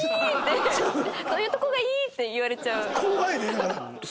「そういうとこがいい」って言われちゃう。